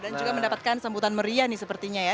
dan juga mendapatkan semputan meriah nih sepertinya ya